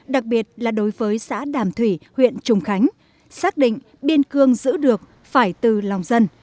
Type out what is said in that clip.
đặc biệt là đối với xã đàm thủy huyện trùng khánh xác định biên cương giữ được phải từ lòng dân